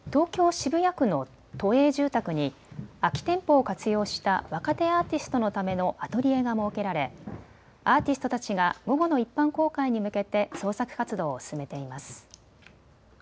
渋谷区の都営住宅に空き店舗を活用した若手アーティストのためのアトリエが設けられアーティストたちが午後の一般公開に向けて創作活動を進めています。